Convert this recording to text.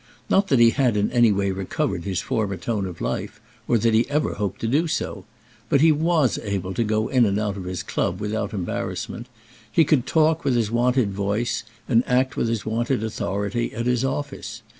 Not that he had in any way recovered his former tone of life, or that he ever hoped to do so. But he was able to go in and out of his club without embarrassment. He could talk with his wonted voice, and act with his wonted authority at his office.